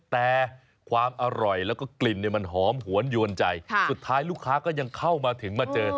แต่ความอร่อยแล้วก็กลิ่นมันหอมหวนยวนใจสุดท้ายลูกค้าก็ยังเข้ามาถึงมาเจอ